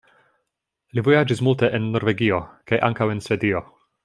Li vojaĝis multe en Norvegio kaj ankaŭ en Svedio.